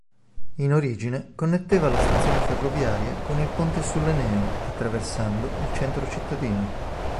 In origine connetteva la stazione ferroviaria con il ponte sull'Eneo attraversando il centro cittadino.